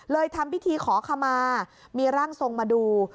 ทำพิธีขอขมามีร่างทรงมาดู